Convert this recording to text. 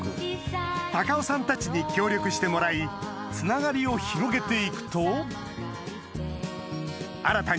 孝夫さんたちに協力してもらいつながりを広げて行くと・せの！